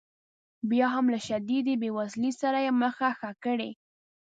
بیا هم له شدیدې بې وزلۍ سره یې مخه ښه کړې.